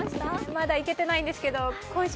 まだ行けていないんですけど、今週